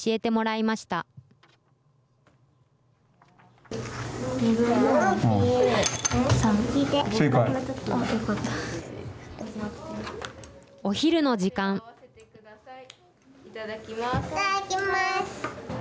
いただきます。